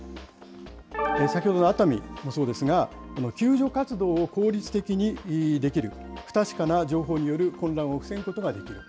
先ほどの熱海もそうですが、救助活動を効率的にできる、不確かな情報による混乱を防ぐことができる。